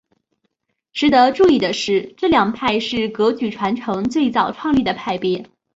值得注意的是这两派是噶举传承最早创立的派别。